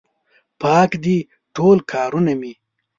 پاک دي ټول کارونه مې